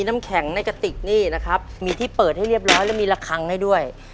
น้ำแข็งในกระติกนี่นะครับมีที่เปิดให้เรียบร้อยแล้วมีระคังให้ด้วย